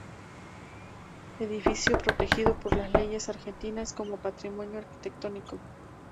Edificio protegido por las leyes argentinas como patrimonio arquitectónico.